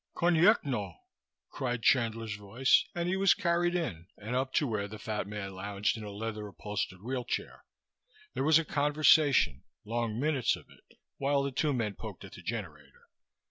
_" "Konyekhno!" cried Chandler's voice and he was carried in and up to where the fat man lounged in a leather upholstered wheel chair. There was a conversation, long minutes of it, while the two men poked at the generator.